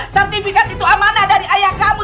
sertifikat itu amanah dari ayah kamu